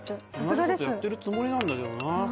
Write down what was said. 同じことやってるつもりなんだけどな。